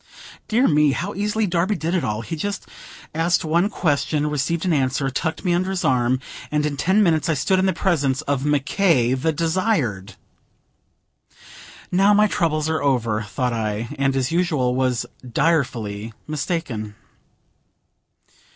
Dear me! how easily Darby did it all: he just asked one question, received an answer, tucked me under his arm, and in ten minutes I stood in the presence of Mc K., the Desired. "Now my troubles are over," thought I, and as usual was direfully mistaken.